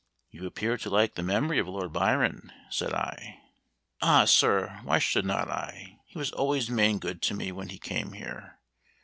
"You appear to like the memory of Lord Byron," said I. "Ah, sir! why should not I! He was always main good to me when he came here.